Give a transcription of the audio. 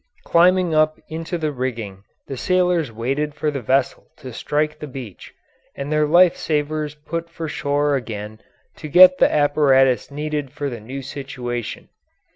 Climbing up into the rigging, the sailors waited for the vessel to strike the beach, and the life savers put for shore again to get the apparatus needed for the new situation.